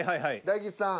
大吉さん。